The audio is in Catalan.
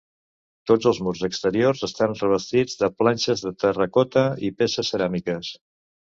Tots els murs exteriors estan revestits de planxes de terracota i peces ceràmiques.